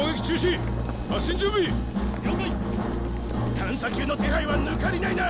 探査球の手配は抜かりないな！？